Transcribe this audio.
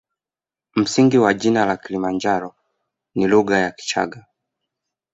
Msingi wa jina la kilimanjaro ni lugha ya kichagga